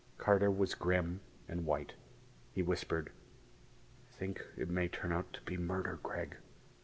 Carter was grim and white. He whispered, "I think it may turn out to be murder, Gregg!